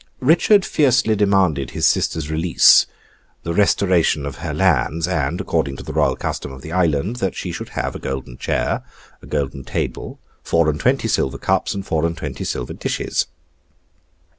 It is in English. Richard fiercely demanded his sister's release, the restoration of her lands, and (according to the Royal custom of the Island) that she should have a golden chair, a golden table, four and twenty silver cups, and four and twenty silver dishes.